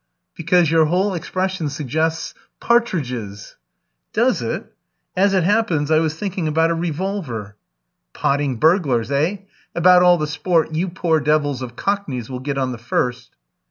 "Because your whole expression suggests partridges!" "Does it? As it happens, I was thinking about a revolver." "Potting burglars, eh? About all the sport you poor devils of Cockneys will get on the First."